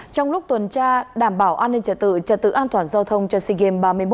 trong lúc tuần tra đảm bảo an ninh trật tự trật tự an toàn giao thông cho sea games ba mươi một